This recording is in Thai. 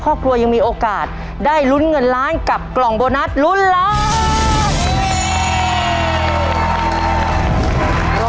ครอบครัวยังมีโอกาสได้ลุ้นเงินล้านกับกล่องโบนัสลุ้นล้าน